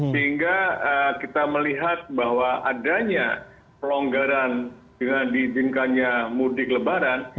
sehingga kita melihat bahwa adanya pelonggaran dengan diizinkannya mudik lebaran